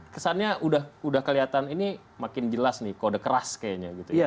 kesannya sudah kelihatan ini makin jelas nih kode keras kayaknya